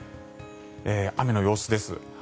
雨の様子です。